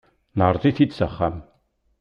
Neɛreḍ-it-id s axxam.